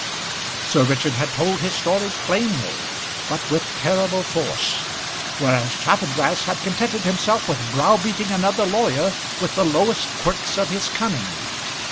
Sir Richard had told his story plainly, but with terrible force; whereas Chaffanbrass had contented himself with brow beating another lawyer with the lowest quirks of his cunning.